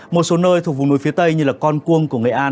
một số nơi thuộc vùng núi phía tây như con cuông của nghệ an